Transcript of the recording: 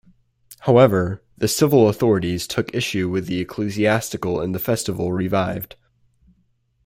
However, the civil authorities took issue with the ecclesiastical and the festival revived.